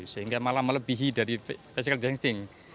sehingga malah melebihi dari physical distancing